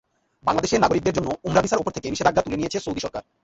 বাংলাদেশের নাগরিকদের জন্য ওমরাহ ভিসার ওপর থেকে নিষেধাজ্ঞা তুলে নিয়েছে সৌদি সরকার।